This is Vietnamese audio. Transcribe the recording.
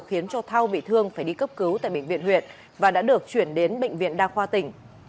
khiến cho thao bị thương phải đi cấp cứu tại bệnh viện huyện và đã được chuyển đến bệnh viện đa khoa tỉnh